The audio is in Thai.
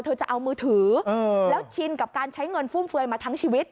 จะเอามือถือแล้วชินกับการใช้เงินฟุ่มเฟือยมาทั้งชีวิต